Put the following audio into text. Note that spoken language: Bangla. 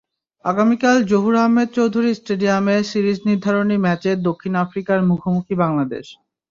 আগামীকাল জহুর আহমেদ চৌধুরী স্টেডিয়ামে সিরিজ নির্ধারণী ম্যাচে দক্ষিণ আফ্রিকার মুখোমুখি বাংলাদেশ।